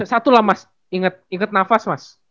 satu lah mas inget nafas